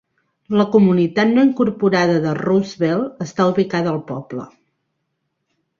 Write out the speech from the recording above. La comunitat no incorporada de Roosevelt està ubicada al poble.